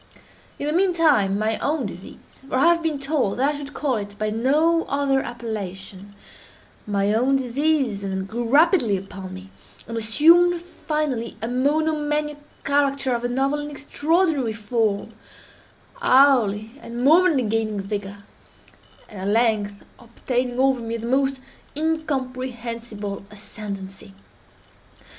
In the mean time my own disease—for I have been told that I should call it by no other appellation—my own disease, then, grew rapidly upon me, and assumed finally a monomaniac character of a novel and extraordinary form—hourly and momently gaining vigor—and at length obtaining over me the most incomprehensible ascendancy.